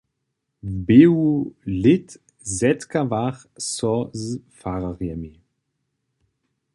W běhu lět zetkawach so z fararjemi.